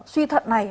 suy thận này